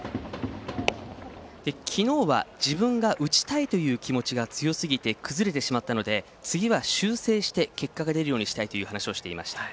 昨日は、自分が打ちたいという気持ちが強すぎて崩れてしまったので次は修正して結果が出るようにしたいという話をしていました。